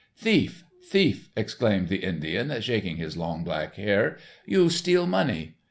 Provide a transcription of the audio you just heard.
"Thief, thief," exclaimed the Indian, shaking his long black hair. "You steal money."